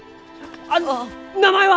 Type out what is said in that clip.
あ名前は！？